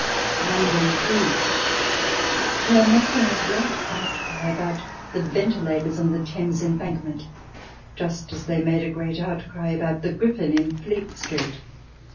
London Trees They are making a great outcry about the ventilators on the Thames Embankment, just as they made a great outcry about the Griffin in Fleet Street.